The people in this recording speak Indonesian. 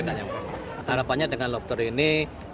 harapannya dengan lobster ini